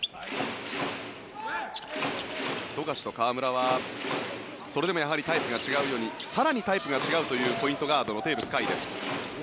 富樫と河村はそれでもやはりタイプが違うように更にタイプが違うポイントガードのテーブスです。